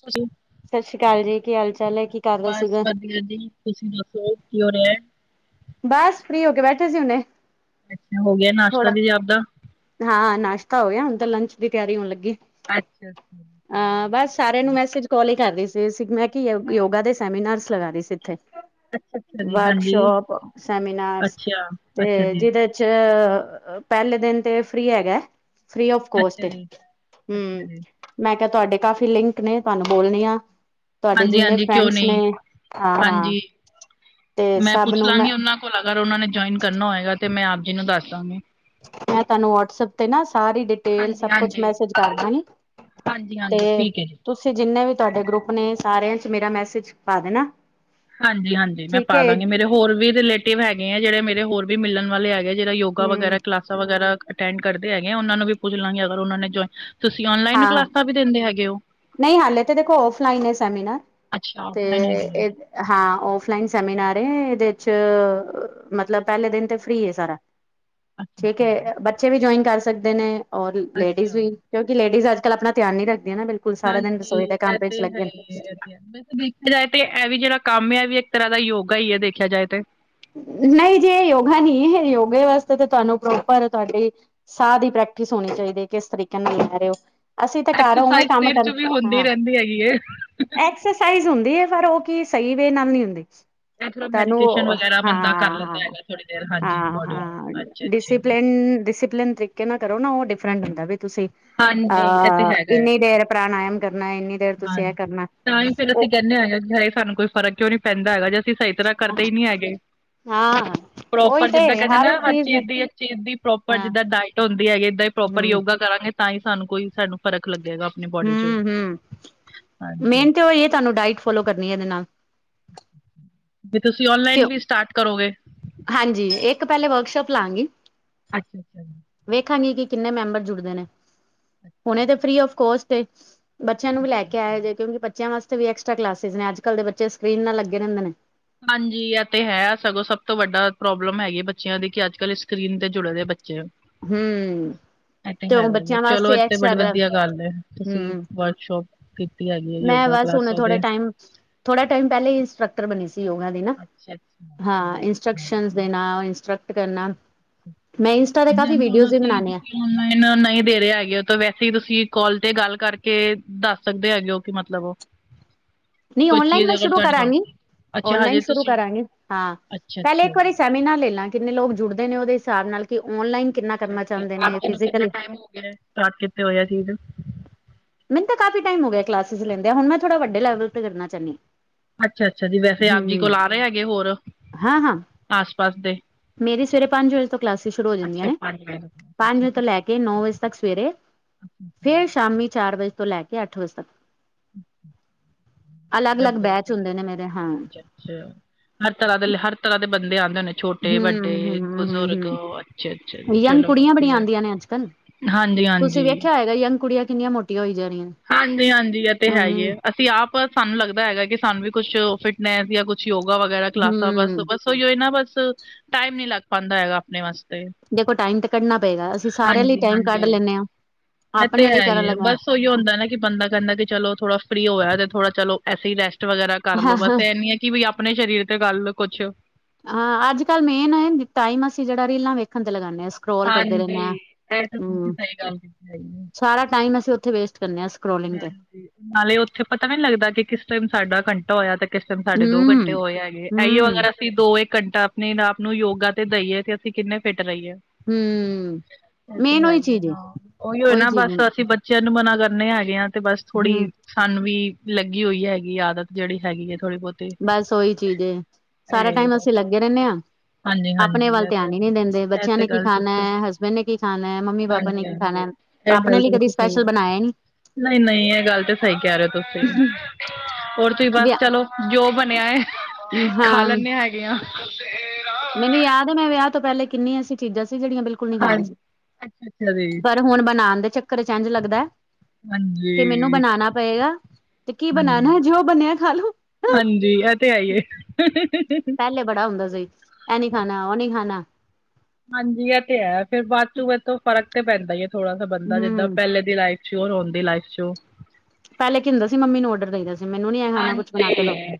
ਸਜੀ ਸਤਿ ਸ੍ਰੀ ਅਕਾਲ ਜੀ ਕੀ ਹਾਲ ਚਾਲ ਹੈ ਕੀ। ਕਰ ਰਹੇ ਬਸ ਸੀਗੇ ਵਧੀਆ ਜੀ ਤੁਸੀਂ ਦੱਸੋ ਕਿ ਹੋ ਰਿਹਾ। ਬਸ ਫਰੀ ਹੋ ਕੇ ਬੈਠੇ ਸੀ ਹੋਣੇ। ਹੋ ਗਿਆ ਨਾਸ਼ਤਾ ਦੀ ਆਪਦਾ। ਹਾਂ ਨਾਸ਼ਤਾ ਹੋ ਗਿਆ ਹੁਣ ਤਾਂ ਲੰਚ ਦੀ ਤਿਆਰੀ ਹੋਣ ਲੱਗੀ ਅੱਛਾ ਅੱਛਾ ਹਾਂ ਜੀ। ਬਸ। ਸਾਰਿਆਂ ਨੂੰ ਮੈਸੇਜ ਕਾਲ ਹੀ ਕਰ ਰਹੀ ਸੀ ਮੈਂ ਕਿ ਯੋਗਾ ਦੇ ਸੈਮੀਨਾਰਸ ਲਗਾ ਰਹੀ ਸੀ ਇੱਥੇ। ਅੱਛਾ ਅੱਛਾ ਜੀ ਹਾਂਜੀ ਵਰਕਸ਼ਾਪ ਸੈਮੀਨਾਰਸ ਅੱਛਾ ਤੇ ਅੱਛਾ ਜੀ ਜਿਹਦੇ ਚ ਪਹਿਲੇ ਦਿਨ ਤੇ ਫਰੀ ਹੈਗਾ। ਫਰੀ ਆਫ ਕੋਸਟ ਅੱਛਾ ਏ ਜੀ ਅੱਛਾ ਹਮ। ਜੀ ਮੈਂ ਕਿਹਾ ਤੁਹਾਡੇ ਕਾਫ਼ੀ ਲਿੰਕ ਨੇ ਤੁਹਾਨੂੰ ਬੋਲਣੀ ਆ। ਤੁਹਾਡੇ ਹਾਂਜੀ ਜਿੰਨੇ ਹਾਂਜੀ ਕਿਉਂ ਫਰੈਂਡਸ ਨੇ ਨਹੀਂ ਹਾਂ ਹਾਂ ਹਾਂਜੀ ਤੇ ਮੈਂ ਸਭ ਪੁੱਛ ਨੂੰ ਮੈਂ। ਲਾਂਗੀ ਉਹਨਾਂ ਕੋਲ ਅਗਰ ਓਨਾਨੇ ਜੋਏਨ ਕਰਨਾ ਹੋਏਗਾ ਤੇ ਮੈਂ ਆਪ ਜੀ ਨੂੰ ਦਾੱਸ ਦਾਂਗੀ। ਮੈਂ ਤਾਨੂੰ ਵਟਸਪ ਤੇ ਨਾ ਸਾਰੀ ਡਿਟੇਲ ਹਾਂਜੀ ਸਬ ਕੁੱਛ ਹਾਂਜੀ ਮੈਸੇਜ ਕਾਰਦਾਂਗੀ। ਹਾਂਜੀ, ਹਾਂਜੀ ਠੀਕ ਐ ਜੀ। ਤੂਸੀ ਜਿੰਨੇ ਵੀ ਤੂਆਡੇ ਗਰੁੱਪ ਨੇ ਸਾਰੇਆਂ ਚ ਮੇਰਾ ਮੈਸੇਜ ਪਾ ਦੇਨਾ। ਹਾਂਜੀ, ਹਾਂਜੀ ਮੈਂ ਪਾ ਦਾਂਗੀ, ਮੇਰੇ ਹੋਰ ਵੀ ਰਿਲੇਟਿਵ ਹੈਗੇ ਐ ਜੇੜੇ ਮੇਰੇ ਹੋਰ ਵੀ ਮਿਲਨ ਵਾਲੇ ਹੈਗੇ ਜੇੜਾ ਯੋਗਾ ਹਮ ਵਗੈਰਾ ਕਲਾਸਾਂ ਵਗੈਰਾ ਅਟੈਂਡ ਕਰਦੇ ਹੈਗੇ ਐਂ ਓਨਾਂ ਨੂੰ ਵੀ ਪੁੱਛ ਲਾਂਗੀ ਅਗਰ ਓਨਾਂ ਨੇ ਜੋਏ ਤੂਸੀ ਔਨਲਾਈਨ ਹਾਂ ਕਲਾਸਾਂ ਵੀ ਦੇਂਦੇ ਹੈਗੇ ਓ? ਨਹੀਂ ਹੱਲੇ ਤੇ ਦੇਖੋ ਓਫਲਾਈਨ ਏ ਸੈਮੀਨਾਰ, ਅੱਛਾ ਔਫਲਾਈਨ ਹੈਗੀ ਹੈ ਤੇ ਹਾਂ ਔਫਲਾਈਨ ਸੈਮੀਨਾਰ ਏ ਏਦੇ ਚ ਮਤਲਬ ਪੈਲੇ ਦਿਨ ਤੇ ਫ੍ਰੀ ਏ ਸਾਰਾ। ਅੱਛਾ ਠੀਕ ਐ, ਅੱਛਾ ਬੱਚੇ ਵੀ ਜੋਏਨ ਕਾਰ ਸਕਦੇ ਨੇ ਔਰ ਲੇਡੀਜ਼ ਅੱਛਾ ਵੀ। ਕਿਉਂਕਿ ਲੇਡੀਜ਼ ਅਜ-ਕਲ ਆਪਣਾ ਧੇਆਨ ਨੀ ਰੱਖਦੀਆਂ ਨਾ ਬਿਲਕੁਲ ਸਾਰਾ ਦਿਨ ਹਾਂਜੀ ਰਸੋਈ ਦੇ ਕਾੰਮ ਇਹ ਵਿੱਚ ਤੇ ਹੈ ਲੱਗੀਆਨ। ਹੀ ਹੈ ਇਹ ਵੈਸੇ ਦੇਖੇਆ ਜਾਏ ਤੇ ਐ ਵੀ ਜੇੜਾ ਕਾੰਮ ਏ, ਐਵੀ ਏੱਕ ਤਰਾਂ ਦਾ ਯੋਗਾ ਈ ਏ ਦੇਖੇਆ ਜਾਏ ਤੇ। ਨਹੀਂ ਜੇ ਯੋਗਾ ਨੀ ਏ ਯੋਗੇ ਵਾਸਤੇ ਤੇ ਤੂਆਨੂੰ ਪ੍ਰੋਪਰ ਤੂਆਡੀ ਸਾਹ ਦੀ ਪ੍ਰੈਕਟਿਸ ਹੋਣੀ ਚਾਈਦੀ ਏ ਕਿਸ ਤਰੀਕੇ ਨਾਲ ਲੈ ਰੇ ਓ। ਅਸੀ ਤੇ ਘਾਰ ਉਵੇਂ ਐਕਸਰਸਾਈਜ਼ ਤੇ ਕਾੰਮ ਇਹਦੇ ਕਰ ਚ ਵੀ ਹੁੰਦੀ ਹਾ। ਰਹਿੰਦੀ ਹੈਗੀ ਹੈ ਐਕਸਰਸਾਈਜ਼ ਹੁੰਦੀ ਐ ਪਰ ਓ ਕੀ ਸਈ ਵੇਅ ਨਾਲ ਨੀ ਹੁੰਦੀ। ਦੇਖ ਲੋ ਤੁਹਾਨੂੰ ਮੈਡੀਟੇਸ਼ਨ ਵਗੇਰਾ ਹਾਂ ਬੰਦਾ ਕਾੱਰ ਹਾਂ ਲੈਂਦਾ ਹੈਗਾ ਥੋੜੀ ਦੇਰ ਹਾਂਜੀ ਬੋਡੀ ਨੂੰ, ਅੱਛ, ਅੱਛ। ਡਿਸੀਪਲਿਨ ਤਰੀਕੇ ਨਾਲ ਕਰੋ ਨਾ, ਓ ਡਿਫਰੈਂਟ ਹੁੰਦੈ ਵੀ ਤੂਸੀ ਹਾਂਜੀ ਇਹ ਤੇ ਅ ਹੈਗਾ ਹੈ ਇੰਨੀ ਦੇਰ ਪ੍ਰਾਣਾਯਮ ਕਰਨੈ ਇੰਨੀ ਦੇਰ ਤੂਸੀ ਔ ਹਾਂਜੀ ਕਰਨੈ। ਤਾਂ ਹੀ ਫੇਰ ਅਸੀ ਕੈਂਨੇ ਆਂ, ਹਾਏ ਸਾਨੂੰ ਕੋਈ ਫਰਕ ਕਿਉਂ ਨੀ ਪੈਂਦਾ ਹੈਗਾ ਜੇ ਅਸੀ ਸਈ ਤਰਾ ਕਰਦੇ ਈ ਨੀ ਹੈਗੇ। ਹਾਂ ਉਹੀ ਪ੍ਰੋਪਰ ਤੇ ਜਿੱਦਾਂ ਕੈਂਦੇ ਨਾ ਇੱਕ ਹਰ ਚੀਜ਼ ਚੀਜ ਦੀ ਚੀਜ ਦੀ ਪ੍ਰੋਪਰ ਹਾਂ ਜਿੱਦਾਂ ਡਾਇਟ ਹੋਂਦੀ ਹੈਗੀ ਐ ਏਦਾਂ ਈ ਪ੍ਰੋਪਰ ਹਮ ਯੋਗਾ ਕਰਾਂਗੇ ਤਾਂ ਈ ਸਾਨੂੰ ਕੋਈ ਫ਼ਰਕ ਲੱਗੇਗਾ। ਅਪਨੀ ਬੋਡੀ ਚ। ਹਮ ਹਮ ਹਾਂਜੀ ਮੇਨ ਤੇ ਓਈ ਏ ਤਾਨੂੰ ਡਾਇਟ ਫੋਲੋ ਕਰਨੀ ਐ ਐਦੇ ਨਾਲ। ਵੀ ਤੂਸੀ ਔਨਲਾਈਨ ਕਿਉਂ? ਵੀ ਸਟਾਟ ਕਰੋਗੇ? ਹਾਂਜੀ, ਇੱਕ ਪੈਲੇ ਵਰਕਸ਼ੋਪ ਲਾਂਗੀ। ਅੱਛ ਛ, ਛ। ਵੇਖਾਂਗੀ ਕਿ ਕਿੰਨੇ ਮੈਂਬਰ ਜੁੜਦੇ ਨੇ, ਹੁਣੇ ਤੇ ਫ੍ਰੀ ਔਫ਼ ਕੋਸਟ ਏ। ਬੱਚੇਆਂ ਨੂੰ ਵੀ ਲੈ ਕੇ ਆਏਆ ਜੇ ਕਿਉਂਕਿ ਬੱਚੇਆਂ ਵਾਸਤੇ ਵੀ ਐਕਸਟਰਾ ਕਲਾਸਿਸ ਨੇ ਅੱਜ-ਕੱਲ ਦੇ ਬੱਚੇ ਸਕ੍ਰੀਨ ਨਾਲ ਲੱਗੇ ਰੈਂਦੇ ਨੇ। ਹਾਂਜੀ ਐ ਤੇ ਹੈ ਸਗੋਂ ਸਬ ਤੋਂ ਵੱਡਾ ਪ੍ਰੋਬਲਮ ਹੈਗੀ ਬੱਚੇਆਂ ਦੀ ਕਿ ਅੱਜ-ਕੱਲ ਸਕ੍ਰੀਨ ਤੇ ਜੁੜ ਰੇ ਬੱਚੇ। ਹੂੰ। ਐ ਤੇ ਉਹ ਹੈਗਾ ਜੇ, ਬੱਚਿਆਂ ਚਲੋ ਐ ਵਾਸਤੇ ਤੇ ਬੜੀ ਐਕਸਟਰਾ ਵਦੀਆ ਗਾੱਲ ਏ, ਤੂਸੀ ਹੂੰ ਵਰਕਸ਼ੋਪ ਕੀਤੀ ਹੈਗੀ ਏ ਮੈਂ ਯੋਗਾ ਬਸ ਹੁਣ ਕਲਾਸਾਂ ਥੋੜੇ ਦੇ। ਟਾਈਮ ਥੋੜਾ ਟਾਈਮ ਪੈਲੇ ਈ ਇੰਸਟਰਕਟਰ ਬਨੀ ਸੀ ਯੋਗਾ ਦੀ ਦੀਨਾ, ਅੱਛਾ ਅੱਛਾ ਹਾਂਜੀ ਹਾਂ ਹਾਂਜੀ, ਇੰਸਟਰਕਸ਼ਨਸ ਦੇਨਾ, ਇੰਸਟਰਕਟ ਕਰਨਾ। ਮੈਂ ਇੰਸਟਾ ਤੇ ਕਾਫ਼ੀ ਵੀਡੀਓਜ਼ ਵੀ ਬਨਾਨੀ ਆਂ। ਔਨਲਾਈਨ ਨਈ ਦੇ ਰੇ ਹੈਗੇ ਓ, ਤੇ ਵੈਸੇ ਈ ਤੂਸੀ ਕਾਲ ਤੇ ਗਾੱਲ ਕਾਰਕੇ ਦਾੱਸ ਸਕਦੇ ਹੈਗੇ ਓ ਕਿ ਮਤਲਬ ਨੀ ਕੋਈ ਔਨਲਾਈਨ ਚੀਜ਼ ਮੈਂ ਅਗਰ ਸ਼ੁਰੂ ਤੁਹਾਡੇ ਕੋਲ ਕਰਾਂਗੀ। ਅੱਛਾ ਓਨਲਾਈਨ ਹਜੇ ਸ਼ੁਰੂ ਤੁਸੀਂ ਕਰਾਂਗੇ, ਹਾਂ ਅੱਛਾ ਪੈਲੇ ਅੱਛਾ ਇੱਕ ਜੀ ਵਾਰੀ ਸੈਮੀਨਾਰ ਲੈਲਾਂ। ਕਿੰਨੇ ਲੋਗ ਜੁੜਦੇ ਨੇ ਓਦੇ ਹਿਸਾਬ ਨਾਲ ਕਿ ਔਨਲਾਈਨ ਕਿੰਨਾ ਅੱਛਾ, ਕਰਨਾ ਤੇ ਚਾਹੁੰਦੇ ਆੱਜ ਨੇ ਤੇਨੂ ਕਿੰਨਾ ਫਿਜ਼ਕਲੀ ਟਾਈਮ ਹੋ ਗੇਐ, ਸਟਾਰਟ ਕਿੱਤੇ ਹੋਏ ਐ ਚੀਜ? ਮੈਨ ਤਾ ਕਾਫੀ ਟਾਈਮ ਹੋ ਗੇਆ ਕਲਾਸਿਸ ਲੈਂਦਆਂ, ਹੁਨ ਮੈਂ ਥੋੜਾ ਵੱਡੇ ਲੈਵਲ ਤੇ ਕਰਨਾ ਚ੍ਹਾਨੀ ਆਂ। ਅੱਛਾ, ਅੱਛਾ ਜੀ, ਵੈਸੇ ਆਪ ਜੀ ਕੋਲ ਆ ਰਏ ਹੈਗੇ ਹੋਰ, ਹਾਂ-ਹਾਂ ਆਸ ਪਾਸ ਦੇ? ਮੇਰੀ ਸਵੇਰੇ ਪਾੰਜ ਵਜੇ ਤੋ ਕਲਾਸਿਸ ਸ਼ੁਰੂ ਹੋ ਜਾਂਦੀਆਂ ਅੱਛਾ ਨੇ, ਪੰਜ ਵਜੇ ਪਾੰਜ ਅੱਛਾ ਵਜੇ ਤੋ ਲੈ ਕੇ ਏ ਨੌ ਵਜੇ ਤਕ ਸਵੇਰੇ, ਅੱਛਾ ਫੇਰ ਸ਼ਾਮੀ ਚਾਰ ਵਜੇ ਤੋ ਲੈ ਕੇ ਆੱਠ ਵਜੇ ਤਕ। ਅਲੱਗ, ਲੱਗ ਬਹੁਤ ਬੈਚ ਵਧੀਆ। ਹੁੰਦੇ ਨੇ ਮੇਰੇ, ਹਾਂ। ਅੱਛਾ ਅੱਛਾ। ਹਰ ਤਰਾ ਦੇ, ਲ ਹਰ ਤਰਾ ਦੇ ਬੰਦੇ ਆਂਦੇ ਨੇ? ਹੂੰ, ਹੂੰ, ਹੂੰ, ਅੱਛਾ ਅੱਛਾ ਜੀ ਹੂੰ ਯੰਗ ਚਲੋ ਕੁੜੀਆਂ ਬੜੀਆਂ ਵਧੀਆ ਆਂਦੀਆਂ ਨੇ ਅੱਜ-ਕੱਲ। ਹਾਂਜੀ ਤੂਸੀ ਹਾਂਜੀ ਵੇਖੇਆ ਹੋਏਗਾ ਯੰਗ ਕੁੜੀਆਂ ਕਿੰਨੀਆਂ ਮੋਟੀਆਂ ਹੋਈ ਜਾ ਰੀਆਂ ਅਨ? ਹਾਂਜੀ, ਹਾਂਜੀ ਐ ਤੇ ਹੈ ਈ ਏ, ਅਸੀ ਆਪ ਸਾੰਨ ਲੱਗਦਾ ਹੈਗਾ ਕਿ ਸਾਨੂੰ ਵੀ ਕੁੱਛ ਫਿਟ ਮੈ ਜਾਂ ਕੁਛ ਯੋਗਾ ਵਗੈਰਾ ਕਲਾਸਾਂ ਬਸ ਹੂੰ-ਹੂੰ ਬਸ ਸੋ ਯੋ ਏ ਨ ਬਸ ਟਾਈਮ ਨੀ ਲੱਗ ਪਾਦਾ ਹੈਗਾ ਆਪਣੇ ਵਸ। ਦੇਖੋ ਟਾਈਮ ਤੇ ਕੱਢਣਾ ਪਏਗਾ ਅਸੀਂ ਸਾਰਿਆਂ ਲਈ ਹਾਂਜੀ ਟਾਈਮ ਕੱਢ ਹਾਂਜੀ ਲੈਂਦੇ ਹਾਂ ਇਹ ਤੇ ਆਪਣੇ ਲਈ ਹੈ ਕਰਨ ਹੀ ਹੈ ਲਈ। ਬਸ ਉਹੀ ਹੁੰਦਾ ਨਾ ਕਿ ਬੰਦਾ ਕਹਿੰਦਾ ਕਿ ਚਲੋ ਥੋੜਾ ਫਰੀ ਹੋਏ ਤੇ ਥੋੜਾ ਚਲੋ ਐਸੀ ਹੀ ਰੈਸਟ ਵਗੈਰਾ। ਹਾਂ ਕਰਲੋ ਬਸ ਇਹ ਨੀ ਹੈ ਕਿ ਵੀ ਆਪਣੇ ਸਰੀਰ ਤੇ ਗੱਲ ਕੁੱਛ ਹਾਂ ਅੱਜ ਕੱਲ੍ਹ ਮੇਨ ਟਾਈਮ ਅਸੀਂ ਜਿਹੜਾ ਰੀਲਾਂ ਵੇਖਣ ਤੇ ਲਗਾਨੇਂ ਹਾਂ। ਸਕਰੋਲ ਕਰਦੇ ਹਾਂਜੀ ਰਹਿੰਦੇ ਹਾਂ ਇਹ ਤਾਂ ਤੁਸੀਂ ਹਮ ਸਹੀ ਗੱਲ ਕਈ ਹੈ। ਸਾਰਾ ਟਾਈਮ ਅਸੀਂ ਉਥੇ ਵੇਸਟ ਕਰਨੇ ਆ। ਨਾਲੇ ਉੱਥੇ ਪਤਾ ਨੀ ਲੱਗਦਾ ਕਿ ਕਿਸ ਟਾਈਮ ਸਾਡਾ ਘ ਹੋਇਆ ਤੇ ਕਿਸ ਟਾਈਮ ਸਾਡੇ ਦੋ ਘੰਟੇ ਹਮ ਹੋਏ ਹੈਗੇ ਇਹੀਏ ਹਮ ਅਗਰ ਅਸੀਂ ਦੋ ਇੱਕ ਘੰਟਾ ਆਪਣੇ ਆਪ ਨੂੰ ਯੋਗਾ ਤੇ ਦਈਏ ਤੇ ਅਸੀਂ ਕਿੰਨੇ ਫਿਟ ਰਹੀਏ। ਹਮ ਏਤੇ ਮੇਨ ਉਹੀ ਹੈਈ ਚੀਜ਼ ਏ, ਏਨਾ ਉਹੀ ਹੋਏ ਨਾ ਬਸ ਅਸੀਂ ਚੀਨ ਮਨਾ ਕਰਨੇ ਹੈਗੇ ਆ ਤੇ ਬਸ ਹਮ ਥੋੜੀ ਸਾਨੂੰ ਵੀ ਲੱਗੀ ਹੋਈ ਹੈਗੀ ਆਦਤ ਜਿਹੜੀ ਹੈਗੀ ਹੈ ਥੋੜੀ ਬਹੁਤ। ਬਸ ਉਹੀ ਚੀਜ਼ ਏ ਸਾਰਾ ਟਾਈਮ ਅਸੀਂ ਬਸ। ਲੱਗੇ ਰਹਿੰਨੇ ਆ। ਆਪਣੇ ਹਾਂਜੀ-ਹਾਂਜੀ ਵੱਲ ਇਹ ਤੇ ਧਿਆਨ ਹੀ ਨੀ ਦਿੰਦੇ ਇਹ ਬੱਚਿਆਂ ਤੇ ਨੇ ਕੀ ਗੱਲ ਖਾਣਾ ਤੁਸੀਂ ਹੈ ਹਸਬੈਂਡ ਨੇ ਕੀ ਖਾਣਾ ਹੈ ਮੰਮੀ ਪਾਪਾ ਨੇ ਕੀ ਹਾਂਜੀ-ਹਾਂਜੀ ਖਾਣਾ। ਇਹ ਅਪਣੇ ਗੱਲ ਲਈ ਤਾਂ ਕਦੀ ਤੁਸੀਂ ਸਹੀ ਸਪੈਸ਼ਲ ਬਣਾਇਆ ਨੀ। ਨਹੀਂ ਨਹੀਂ ਇਹ ਗੱਲ ਤੇ ਸਹੀ ਕਹਿ ਰਹੇ ਹੋ ਤੁਸੀ ਹੋਰ ਤੁਸੀਂ ਬਸ ਵਿਆਹ ਚਲੋ ਜੋ ਬਣਿਆ ਖਾ ਹਾਂ ਲੈਂਦੇ ਹੈਗੇਆਂ। ਮੈਨੂੰ ਯਾਦ ਮੈਂ ਵਿਆਹ ਤੋਂ ਪਹਿਲੇ ਕਿੰਨੀਆ ਏਸੀ ਚੀਜ਼ਾਂ ਸੀ ਜੇੜੀਆਂ ਬਿਲ ਕੁਛ ਨਹੀਂ ਖਾਂਦੀ ਹਾਂਜੀ ਸੀ ਅੱਛਾ ਅੱਛਾ ਜੀ ਪਰ ਹੁਣ ਬਣਾਨ ਦੇ ਚੱਕਰ ਚ ਇੰਜ ਲੱਗਦਾ ਕਿ ਮੈਨੂੰ ਹਾਂਜੀ ਬਣਾਣਾ ਪਏਗਾ ਤੇ ਕੀ ਹਾਂਜੀ ਬਣਾਣਾ ਜੋ ਬਣਿਆ ਖਾਲੋ। ਹਾਂਜੀ ਇਹ ਤੇ ਹੇ ਈ ਹੁ ਹੂ ਹੁ ਹੂ ਹੁ। ਪਹਿਲੇ ਬੜਾ ਹੁੰਦਾ ਸੀ ਇਹ ਨੀ ਖਾਣਾ ਉਹ ਨੀ ਖਾਣਾ। ਹਾਂਜੀ ਇਹ ਤੇ ਹੈ ਫੇਿਰ ਬਾਅਦ ਚ ਬਾਅਦ ਤੋਂ ਫਰਕ ਤੇ ਪੈਂਦਾ ਹੈ ਥੋੜਾ ਸ ਬੰਦਾ ਜਿੱਦਾਂ ਹਮ ਪਹਿਲੇ। ਦੀ ਲਾਈਫ ਸਹੋਰ ਹੁੰਦੀ ਲਾਈਫ ਚੋ। ਪਹਿਲੇ ਕੀ ਹੁੰਦਾ ਸੀ ਮੰਮੀ ਨੂੰ ਔਡਰ ਦੇਈ ਦਾ ਸੀ ਮੈਨੂੰ ਨੀ ਇਹ ਖਾਣਾ ਕੁਛ ਹਾਂਜੀ ਬਣਾ ਕੇ ਦੋ ਇਹ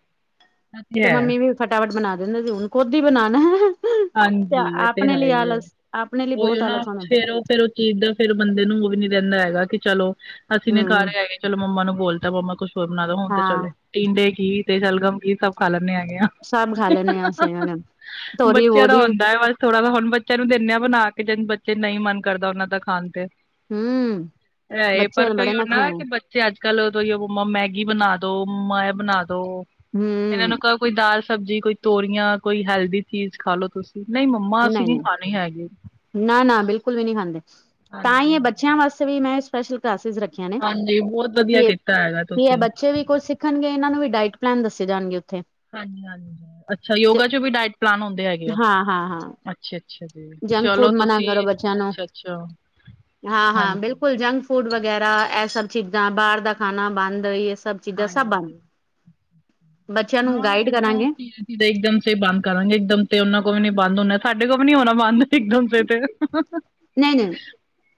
ਤੇ ਮੰਮੀ ਵੀ। ਫਟਾਫਟ ਬਣਾ ਦਿੰਦੇ ਸੀ ਹੁਣ ਖੁਦ ਹੀ ਬਨਾਨਾ। ਤੇ ਹਾਂਜੀ ਇਹ ਤੇ ਆਪਣੇ ਹੈ ਲਈ ਹੀ ਹੈ ਆਲਸ ਆਪਣੇ ਲਈ ਉਹੀ ਬਹੁਤ ਨਾ ਆਲਸ ਉਹਨਾ। ਫੇਰ ਉਹ ਫੇਰ ਉਹ ਚੀਜ਼ ਦਾ ਫੇਰ ਬੰਦੇ ਨੂੰ ਉਹ ਵੀ ਨੀ ਰਹਿੰਦਾ ਹੈਗਾ ਕਿ ਚਲੋ ਅਸੀਂ ਨੀਂ ਘਰ ਹਮ ਹੈਗੇ। ਚਲੋ ਮੰਮਾ ਨੂੰ ਬੋਲਤਾ ਮੰਮਾ ਕੁੱਛ ਹੋਰ ਬਣਾ ਦੋ ਹੁਣ ਤੇ ਚੱਲ ਹਾਂ ਟੀਂਡੇ ਕੀ ਤੇ ਸ਼ਲਗਮ ਕੀ ਸਭ ਖਾ ਲੈਂਨੇ ਹੈਗੇ ਆ। ਸਭ ਖਾ ਲੈਂਦੇ ਹਾਂ ਸਹੀ ਗੱਲ ਏ। ਬੱਚਿਆਂ ਦਾ ਹੁੰਦਾ ਹੈ ਬਸ ਥੋੜ੍ਹਾ ਨਾ ਹੁਣ ਬੱਚਿਆਂ ਨੂੰ ਦਿੰਦੇ ਆ ਬਣਾ ਕੇ ਜੇ ਬੱਚੇ ਨਹੀਂ ਮਨ ਕਰਦਾ ਉਹਨਾਂ ਦਾ ਖਾਣ ਤੇ। ਹਮ ਇਹ ਬੱਚੇ ਪਰ ਕਈ ਬੜੇ ਨਾ ਨਖਰੇ ਹੈ ਕੇ ਬੱਚ ਤੇ ਅੱਜ ਕੱਲ ਤੂੰਹੀ ਉ ਮਮਾ ਮੈਗੀ ਬਣਾ ਦੋ ਮਾਇਏ ਬਣਾ ਦੋ। ਹੂੰ। ਇਹਨਾਂ ਨੂੰ ਕੋਈ ਦਾਲ ਸਬਜ਼ੀ ਕੋਈ ਤੋਰੀਆਂ ਕੋਈ ਹੈਲਦੀ ਚੀਜ਼ ਖਾ ਲੋ ਤੁਸੀਂ। ਨਹੀਂ ਮੰਮਾ ਅਸੀਂ ਨਹੀਂ ਖਾਣੀ ਹੈਗੀ। ਨਾ ਨਾ ਬਿਲਕੁਲ ਵੀ ਨਹੀਂ ਖਾਂਦੇ ਤਾਂ ਹਾਂਜੀ ਹੀ ਇਹ ਹਾਂ, ਬੱਚਿਆਂ ਵਾਸਤੇ ਵੀ ਮੈਂ ਸਪੈਸ਼ਲ ਕਲਾਸਿਸ ਰੱਖ ਖਿਆ ਨੇ ਹਾਂਜੀ ਬਹੁਤ ਵਧੀਆ ਕਿ ਕੀਤਾ ਹੈਗਾ ਕੀ ਹੈ ਤੁਸੀਂ ਬੱਚੇ ਵੀ ਕੁੱਛ ਸਿੱ ਸਿੱਖਣ ਗੇ ਇਹਨਾਂ ਨੂੰ ਵੀ ਡਾਇਟ ਪਲੈਨ ਦੱਸੇ ਜਾਣਗੇ ਉੱਥੇ। ਹਾਂਜੀ ਹਾਂਜੀ ਅੱਛਾ ਤੇ ਯੋਗਾ ਚ ਵੀ ਡਾਇਟ ਪਲਾਨ ਹੁੰਦੇ ਹੈਗੇ ਆ। ਹਾਂ ਹਾਂ ਹਾਂ ਅੱਛਾ ਅੱਛਾ ਜੀ ਜੰਕ ਚਲੋ ਫੂਡ ਮਨਾ ਤੁਸੀਂ ਕਰੋ ਬੱਚਿਆਂ ਨੂੰ ਅੱਛਾ ਅੱਛਾ। ਹਾਂ ਹਾਂ ਹਾਂਜੀ ਬਿਲਕੁਲ ਜੰਕ ਫੂਡ ਵਗੈਰਾ ਇਹ ਸਭ ਚੀਜ਼ਾਂ ਬਾਹਰ ਦਾ ਖਾਣਾ ਬੰਦ ਸਭ ਚੀਜ਼ਾਂ ਸਭ ਬੰਦ ਹਾਂਜੀ ਬੱਚਿਆਂ ਨੂੰ ਹਾਂ ਗਾਈਡ ਫਿਰ ਤਾਂ ਉਹ ਕਰਾਂਗੇ। ਧੀਰੇ ਇੱਕਦਮ ਤੇ ਬੰਦ ਕਰਾਂਗੇ ਇੱਕਦਮ ਤੇ ਉਹਨਾਂ ਕੋਲ ਵੀ ਨੀ ਬਦੁੰ ਹੋਣਾ ਸਾਡੇ ਕੋਲ ਵੀ ਨੀ ਹੋਣਾ ਬੰਦ। ਇਕ ਦਮ ਸੈੱਟ ਨਹੀਂ ਨਹੀਂ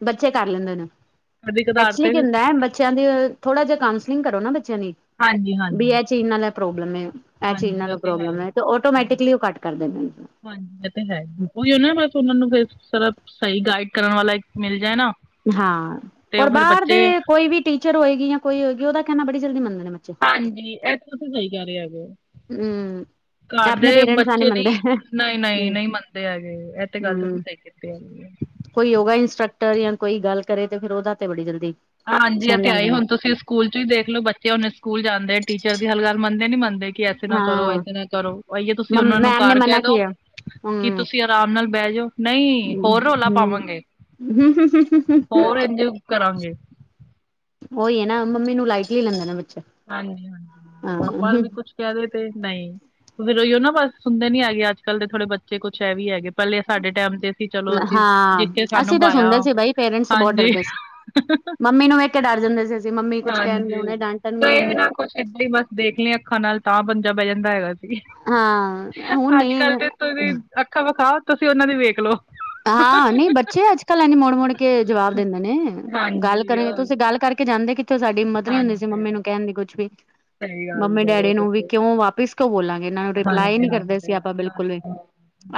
ਬੱਚੇ ਕਰ ਲੈਂਦ ਨੇਂ ਕਦੀ ਕਦਾਰ ਐਕਚੁਲੀ ਤੇ ਕੀ ਹੁੰਦਾ ਹੈ ਚੰਦਏ ਥੋੜਾ ਜਿਹਾ ਕਾਂਸਲਿੰਗ ਕਰੋ ਨਾ ਬੱਚਿਆਂ ਲਈ। ਹਾਂਜੀ ਹਾਂਜੀ। [unintelligible] ਨਾਲ ਐ ਪ੍ਰੋਬਲਮ ਏ। ਐ ਚੀਜ਼ ਹਾਂਜੀ ਏਨਾਂ ਇਹ ਨੂੰ ਹੈ ਹੀ ਪ੍ਰੋਬਲਮ ਏ, ਹੈ। ਤੇ ਹਾਂਜੀ ਓਟੋਮੈਟਿਕਲੀ ਓ ਕੱਟ ਕਾਰ ਦੇਂਦੀ ਸੁਨਨ ਨੂੰ ਫੇਰ [unintelligible] ਸਈ ਗਾਈਡ ਕਰਨ ਵਾਲਾ ਮਿਲ ਜਾਏ ਨਾ ਹਾਂ, ਤੇ ਓਰ ਉਹ ਫਿਰ ਬਾਰ ਬੱਚੇ ਦੇ ਕੋਈ ਵੀ ਟੀਚਰ ਹੋਏਗੀ ਯਾ ਕੋਈ ਹੋਏਗੀ ਓਦਾ ਕੈਨਾ ਬੜੀ ਜਲਦੀ ਮੰਨਦੇ ਨੇ ਬੱਚੇ ਹਾਂਜੀ, ਐ ਤੁਸੀ ਸਈ ਕੇਰੇ ਹੈਗੇ ਓ। ਹੂੰ। ਘਾੱਰ ਦੇ ਬੱਚੇ ਨੀ ਨਈ, ਨਈ, ਹਮ ਨਈ ਮੰਨਦੇ ਹੈਗੇ ਐ ਤੇ ਗਾੱਲ ਤੁਸੀ ਹਮ ਸਈ ਕੀਤੀ ਹੈਗੀ ਏ। ਕੋਈ ਹੋਗਾ ਇੰਸਟਰਕਟਰ ਯਾਂ, ਕੋਈ ਗਾੱਲ ਕਰੇ ਤੇ ਫੇਰ ਓਦਾ ਤੇ ਬੜੀ ਜਲਦੀ ਹਾਂਜੀ, ਐ ਸੁਣ ਹੈਈ ਲੈਂਦੇ ਨੇ ਹੁਨ ਤੁਸੀ ਸਕੂਲ ਚ ਵੀ ਦੇਖਲੋ ਬੱਚੇ ਹੁਨ ਸਕੂਲ ਜਾਂਦੇ ਟੀਚਰਸ ਦੀ ਹਰ ਗਾੱਲ ਮੰਨਦੇ ਨੀ ਮੰਨਦੇ ਕਿ ਐਸੇ ਨਾ ਕਰੋ, ਹਾਂ ਐਸੇ ਨਾ ਕਰੋ ਐਈਓ ਤੁਸੀ ਮਮ ਓਨਾਂ ਨੂੰ ਮੈਮ ਨੇ ਕਾਰ ਕੈ ਮਨਾ ਦੋ ਕੀਆ ਕੀ ਹਮ ਤੁਸੀ ਆਰਾਮ ਨਾਲ ਬੈਜੋ, ਨਈ ਹੋਰ ਰੋਲਾ ਹਮ ਪਾਵਾਂਗੇ। ਹੋਰ [unintelligible] ਇੰਝ ਕਰਾਂਗੇ ਓਈ ਏ ਨਾ, ਮੰਮੀ ਨੂੰ ਲਾਈਟਲੀ ਲੈਂਦੇ ਨੇ ਬੱਚੇ ਹਾਂਜੀ, ਹਾਂ [unintelligible] ਵੀ ਕੁੱਛ ਕੈ ਦੇਵੇ ਤੇ ਨਈ ਫੇਰ ਓਈਓ ਨਾ ਬਾੱਸ ਸੁਨਦੇ ਨੀ ਹੈਗੇ ਆੱਜ-ਕਾੱਲ ਦੇ ਥੋੜੇ ਬੱਚੇ ਕੁੱਛ ਐ ਵੀ ਹੈਗੇ। ਪੈਲੇ ਸਾਡੇ ਟੈਮ ਤੇ ਸੀ ਚਲੋ ਅਸੀ ਹਾਂ ਜਿੱਥੇ ਸਾਨੂੰ ਅਸੀਂ ਤਾਂ ਬਾਯਾ, ਸੁਣਦੇ ਸੀ ਬਾਈ ਪੇਰੈਂਟਸ ਬਹੁਤ ਹਾਂਜੀ। ਡਰਦੇ ਸੀ ਮੰਮੀ ਨੂੰ ਵੇਖ ਕੇ ਡਾਰ ਜਾਂਦੇ ਅਸੀ ਮੰਮੀ ਕੁੱਛ ਕੈਨਗੇ ਹੁਣੇ ਡਾਂ ਤੇ ਏਵੀ ਨਾ ਕੁੱਛ [unintelligible] ਬਾੱਸ ਦੇਖ ਲੀ ਅੱਖਾਂ ਨਾਲ ਤਾਂ ਬੰਜਾ ਬੈ ਜਾਂਦਾ ਹੈਗਾ ਸੀ। ਹਾਂ ਹੁਣ ਆੱਜ-ਕਾੱਲ ਨਹੀਂ ਤੇ ਤੁਸੀ ਅੱਖਾਂ ਵਖਾਓ ਤੁਸੀ ਓਨਾ ਦੀ ਵੇਖ ਲੋ। ਹਾਂ, ਨਈ ਬੱਚੇ ਆੱਜ-ਕਾੱਲ ਐਜਂ ਮੋੜ ਮੋੜ ਕੇ ਜਵਾਬ ਦੇਂਦੇ ਨੇ। ਗਾੱਲ ਹਾਂਜੀ ਕਰੇਗੇ ਅ ਤੁਸੀ ਗਾੱਲ ਕਰਕੇ ਜਾਂਦੇ ਕਿ ਤੇ ਓ ਸਾਡੀ ਹਿੰਮਤ ਨੀ ਹੁੰਦੀ ਸੀ ਹਾਂਜੀ ਮੰਮੀ ਨੂੰ ਕੈਨ ਦੀ ਕੁੱਛ ਵੀ, ਸਹੀ ਗੱਲ ਕਹਿ ਰਹੇ ਹੋ ਮੰਮੀ-ਡੈਡੀ ਨੂੰ ਵੀ ਤੁਸੀਂ। ਕਯੋਂ ਵਾਪਿਸ ਧੋ ਲਾਂਗੇ ਏਨਾਂ ਨੂੰ ਰਿਪਲਾਏ ਹਾਂਜੀ ਨੀ ਕਰਦੇ ਸੀ ਹਾਂਜੀ ਆਪਾ ਬਿਲਕੁੱਲ ਵੀ, ਨਾਟਕ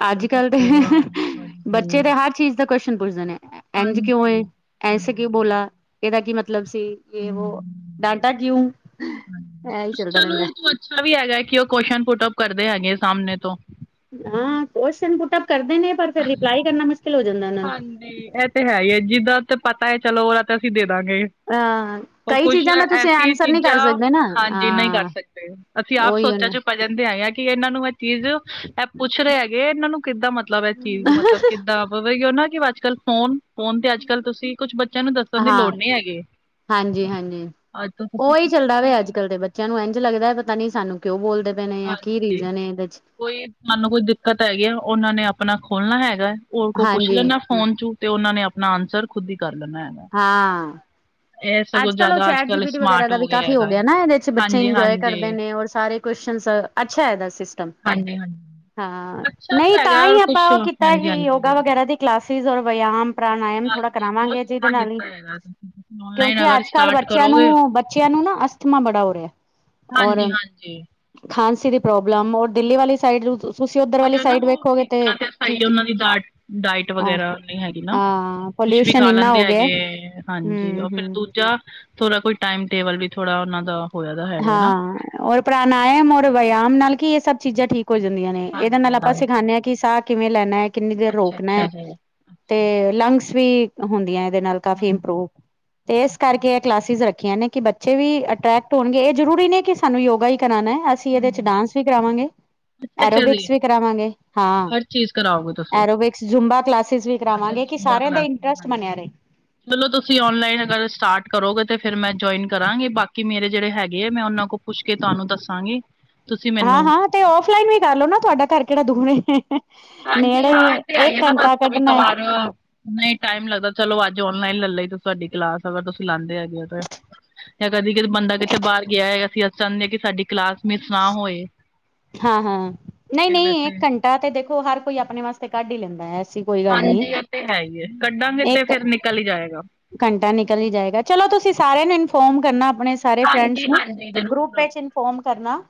ਆੱਜ-ਕਾੱਲ ਦੇ ਪੂਰਾ [unintelligible] ਹਾਂਜੀ। ਬੱਚੇ ਤੇ ਹਾਰ ਚੀਜ਼ ਦਾ ਕੋਸ਼ਨ ਪੁੱਛਦੇ ਨੇ, ਐਂਜ ਕਯੋਂ ਏ ਹਾਂਜੀ ਐਸੇ ਕਯੁਂ ਹਾਂਜੀ, ਬੋਲਾ ਏਦਾ ਕੀ ਮਤਲਬ ਸੀ, ਹੂੰ ਯੇ ਵੋ ਹੂੰ ਡਾਂਟਾ ਕਯੁਂ ਚਲੋ ਏਸਤੂ ਅੱਛਾ ਵੀ ਹੈਗਾ, ਕਿ ਓ ਕੋਸ਼ਨ ਪੁਟ ਅਪ ਕਰਦੇ ਹੈਗੇ ਸਾਮਨੇ ਤੋਂ ਹਾਂ, ਕੋਸ਼ਨ ਪੁੁਟ ਅਪ ਕਰਦੇ ਨੇ ਪਰ ਫੇਰ ਰਿਪਲਾਈ ਕਰਨਾ ਮੁਸ਼ ਹਾਂਜੀ, ਐ ਤੇ ਹੈਈ ਏ, ਜਿੱਦਾ ਤੇ ਪਤਾ ਏ ਚਲੋ ਓਦਾ ਤਾ ਅਸੀ ਦੇ ਦਾਂਗੇ। ਅਹ ਓ ਕਈ ਕੁਛ ਚੀਜ਼ਾਂ ਦਾ ਤੁਸੀਂ ਐਸੀ ਆਂਸਰ ਨਹੀਂ ਚੀਜ਼ਾਂ ਕਰ ਸਕਦੇ ਨਾ ਹਾਂਜੀ, ਨਈ ਕਾਰ ਹਾਂ ਸਕਦੇ। ਅਸੀ ਆਪ ਉਹੀ ਸੋਚਾਂ ਨਾ ਚ ਪਜਨ ਤੇ ਹੈਗਾ, ਕਿ ਏਨਾਂ ਨੂੰ ਐ ਚੀਜ਼ ਐ ਪੁੱਛ ਰੇ ਹੈਗੇ ਏਨਾਂ ਨੂੰ ਕਿੱਦਾਂ ਮਤਲਬ ਐਸ ਚੀਜ਼ ਮਤਲਬ ਕਿ [unintelligible] ਓਨਾ ਕਿ ਆੱਜ-ਕਾੱਲ ਫੋਨ ਫੋਨ ਤੇ ਆੱਜ-ਕਾੱਲ ਤੁਸੀ ਕੁਛ ਬੱਚੇਆਂ ਨੂੰ ਦੱਸਨ ਦੀ ਹਾਂ ਲੋੜ ਨੀ ਹੈਗੀ। ਹਾਂਜੀ ਹਾਂਜੀ, ਅੱਜ ਕੱਲ ਤੁਸੀਂ ਓਈ ਕੁਛ ਚੱਲਦਾ ਪੇਆ ਵੀ ਅੱਜ-ਕੱਲ। ਬੱਚੇਆਂ ਨੂੰ ਐਂਜ ਲੱਗਦਾ, ਪਤਾ ਨੀ ਸਾਨੂੰ ਕਯੋਂ ਬੋਲਦੇ ਪੇਨੇ ਯਾ ਕੀ ਹਾਂਜੀ ਰੀਜ਼ਨ ਏਦੇ ਚ ਕੋਈ ਸਾਨੂੰ ਕੋਈ ਦਿੱਕਤ ਹੈਗੀ ਆ, ਓਨਾਂ ਨੇ ਆਪਨਾ ਖੋਲਨਾ ਹੈਗਾ ਓਦੇ ਕੋਲ ਪੁੱਛ ਹਾਂਜੀ ਲੈਨਾ ਫੋਨ ਚੂ, ਤੇ ਓਨਾਂ ਨੇ ਆਪਨਾ ਆਨਸਰ ਖੁਦ ਈ ਕਾਰ ਲੈਨਾ ਹੈਗਾ। ਇਹ ਸਗੋਂ ਆੱਜ-ਕਾੱਲ ਓ ਜ਼ਿਆਦਾ ਅੱਜ ਚੈਟ ਜੀ ਕੱਲ ਪੀ ਟੀ ਵਗੈਰਾ ਸਮਾਰਟ ਦਾ ਹੋ ਵੀ ਗਿਆ ਕਾਫ਼ੀ ਹੈਗਾ ਹੈ। ਹੋਗੇਆ ਨਾ, ਐਦੇ ਚ ਬੱਚੇ ਹਾਂਜੀ ਇਂਜੋਏ ਕਰਦੇ ਹਾਂਜੀ ਨੇ ਓਰ ਸਾਰੇ ਕੋਸ਼ਨਸ ਅੱਛਾ, ਹੇਗਾ ਸੀਸ ਟਮ ਹਾਂਜੀ ਹਾਂਜੀ ਹਾਂ, ਅੱਛਾ ਵੀ ਨਈ ਤਾ ਹੈਗਾ ਈ ਔਰ ਆਪਾਂ ਕੁਛ ਓ ਕੀਤਾ ਹਾਂਜੀ ਜੀ ਹਾਂਜੀ ਯੋਗਾ ਵਗੈਰਾ ਦੀ ਕਲਾਸਿਸ ਓਰ ਵਆਮ ਪ੍ਰਣਾਯਮ ਥੋੜਾ ਹਾਂਜੀ ਬਹੁਤ ਕਰਾਵਾਂਗੇ ਜੀਦੇ ਸੋਹਣਾ ਨਾਲ ਈ [inaudible] ਕਯੋਂਕੀ ਆੱਜ-ਕਾੱਲ ਸਟਾਰਟ ਬੱਚੇਆਂ ਕਰੋਗੇ ਨੂੰ ਬੱਚੇਆਂ ਨੂੰ ਨਾ ਅਸਥਮਾ ਬੜਾ ਹੋਰੇਆ। ਹਾਂਜੀ, ਹਾਂਜੀ। ਖਾਂਸੀ ਦੀ ਪ੍ਰੋਬਲਮ ਓਰ ਦਿੱਲੀ ਵਾਲੀ ਸਾਈਡ [unintelligible] ਤੁਸੀ ਓਧਰ ਉਹ ਵਾਲੀ ਜੋ ਨਾ ਸਾਈਡ ਉਹ ਵੇਖੋਗੇ ਠੀਕ ਤੇ, ਤਰ੍ਹਾਂ ਕੀ ਸਹੀ ਕੀ ਉਹਨਾਂ ਦੀ ਡਾਟ ਡਾਇਟ ਹਾਂ, ਵਗੈਰਾ ਨਹੀਂ ਹੈਗੀ ਨਾ ਹਾਂ। ਕੁਛ ਵੀ ਪੋਲਯੁਸ਼ਨ ਖਾ ਇੰਨਾ ਲੈਂਦੇ ਹੋਗੇਆ। ਹੂੰ, ਹੂੰ ਯਾਂ ਥੋਰਾ ਕੋਈ ਟਾਈਮ ਟੇਬਲ ਵੀ ਥੋੜਾ ਓਨਾ ਦਾ ਹੋਇਆ ਦਾ ਹੈਗਾ ਨਾ ਹਾਂ, ਓਰ ਪ੍ਰਨਾਯਮ ਓਰ ਵਆਮ ਨਾਲ ਕੀ ਏ ਸਭ ਚੀਜ਼ਾਂ ਠੀਕ ਹੋ ਜਂਦੀਆਂ ਨੇ। ਏਦੇ ਹਾਂਜੀ ਨਾਲ ਆਪਾਂ ਹਾਂਜੀ ਸਿਖਾਨੇ ਆ ਕੀ ਸਾਹ ਕਿਵੇਂ ਲੈਣਾ ਐ ਕਿੰਨੀ ਦੇਰ ਅੱਛਾ ਅੱਛਾ ਰੋਕਣਾ। ਜੀ ਤੇ ਲੰਗਸ ਵੀ ਹੁੰਦੀਆਂ ਐਦੇ ਨਾਲ ਕਾਫੀ ਹਾਂਜੀ ਇੰਪਰੂਵ। ਤੇ ਏਸ ਕਰਕੇ ਏ ਕਲਾਸਿਸ ਰੱਖੀਆਂ ਨੇ ਕਿ ਬੱਚੇ ਵੀ ਅਟ੍ਰੈਕ ਧੋਣਗੇ ਜ਼ਰੂਰੀ ਨੀ ਕੀ ਸਾਨੂੰ ਯੋਗਾ ਈ ਕਰਾਣਾ ਅਸੀਂ ਇਹਦੇ ਚ ਹਾਂਜੀ ਡਾਂਸ ਵੀ ਕਰਾਵਾਂਗੇ। ਅੱਛਾ ਅੱਛਾ ਜੀ ਐਰੋਬਿਕਸ ਵੀ ਕਰਾਵਾਂਗੇ ਹਾਂ ਹਰ ਚੀਜ਼ ਕਰਾਓਗੇ ਤੁਸੀਂ ਐਰੋਬਿਕਸ, ਜੁੰਬਾ ਕਲਾਸਿਸ ਵੀ। ਅੱਛਾ ਕਰਾਵਾਂਗੇ ਕੀ ਸਾਰਿਆਂ ਦਾ ਇੰਟਰਸਟ ਬਣਿਆ ਰਏ। ਲੱਲੋ ਤੁਸੀਂ ਔਨਲਾਈਨ ਅਗਰ ਸਟਾਰਟ ਕਰੋਗੇ ਤੇ ਫੇਰ ਮੈਂ ਜੁਆਇਨ ਕਰਾਂਗੀ ਬਾਕੀ ਮੇਰੇ ਜੇੜੇ ਹੈਗੇ ਆ ਮੈਂ ਓਨਾਂ ਕੋ ਪੁੱਛ ਕੇ ਤੁਹਾਨੂੰ ਦੱਸਾਂਗੀ। ਤੁਸੀਂ ਮੈਨੂੰ ਹਾਂ-ਹਾਂ ਤੇ ਓਫਲਾਈਨ ਵੀ ਕਰ ਲੋ ਨਾ ਤੁਹਾਡਾ ਘਰ ਕੇੜਾ ਦੂਰ ਏ। ਹਾਂਜੀ ਨੇੜੇ ਹਾਂ ਹੀ ਇਥੇ ਆ ਏ ਇੱਕ ਜਾਂਦਾ ਘੰਟਾ ਕਬੀ ਕੱਢਣਾ ਏ ਕਵਾਰ। ਨਈ ਟਾਈਮ ਲੱਗਦਾ ਚਲੋ ਅੱਜ ਔਨਲਾਈਨ ਲੈ ਲਈ ਤੁਹਾਡੀ ਕਲਾਸ ਅਗਰ ਤੁਸੀਂ ਲਾਂਦੇ ਹੈਗੇ ਓ ਤੇ। ਜਾਂ ਕਦੀ ਕਦੀ ਬੰਦਾ ਕਿਤੇ ਬਾਰ ਗਿਆ ਹੈਗਾ ਅਸੀਂ-ਅਸੀਂ ਚਾਂਦੇ ਕੀ ਸਾਡੀ ਕਲਾਸ ਮਿਸ ਨਾ ਹੋਏ ਤੇ ਵੈਸੇ ਐ ਤੇ ਦੇਖੋ ਹਰ ਕੋਈ ਆਪਣੇ ਵਾਸਤੇ ਕੱਢ ਈ ਲੈਂਦਾ ਐਸੀ ਕੋਈ ਗੱਲ ਨਹੀਂ ਹਾਂਜੀ ਓ ਤੇ ਹੈ ਈ ਐ ਕੱਢਾਂਗੇ ਹੈ ਤੇ ਇੱਕ ਫੇਰ ਨਿਕਲ ਈ ਜਾਏਗਾ। ਘੰਟਾ ਨਿਕਲ ਈ ਜਾਏਗਾ। ਚਲੋ ਤੁਸੀਂ, ਸਾਰਿਆਂ ਨੂੰ ਇਨਫੋਰਮ ਕਰਨਾ, ਆਪਣੇ ਸਾਰੇ ਫਰੈਂਡਸ ਹਾਂਜੀ ਨੂੰ, ਹਾਂਜੀ ਗਰੁੱਪ ਜ਼ਰੂਰ ਵਿੱਚ ਇਨਫੋਰਮ ਕਰਨਾ,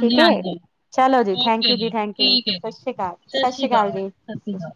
ਠੀਕ ਐ। ਹਾਂਜੀ ਚਲੋ ਜੀ, ਓਕੇ ਥੈਂਕਯੂ ਜੀ ਥੈਂਕਯੂ, ਠੀਕ ਹੈ ਸਤਿ ਜੀ ਸ਼੍ਰੀ ਅਕਾਲ ਸਤਿ ਸ਼੍ਰੀ ਅਕਾਲ ਜੀ। ਸਤਿ ਸ਼੍ਰੀ ਅਕਾਲ